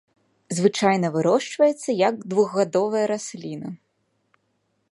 Звычайна вырошчваецца як двухгадовая расліна.